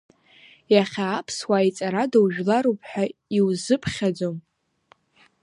Иахьа аԥсуаа иҵарадоу жәларуп ҳәа иузыԥхьаӡом.